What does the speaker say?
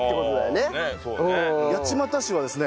八街市はですね